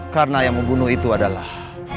karena yang membunuh itu adalah